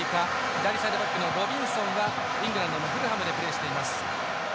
左サイドバックのロビンソンはイングランドのフルハムでプレーしています。